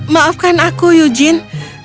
maafkan aku eugene